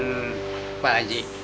dan pak haji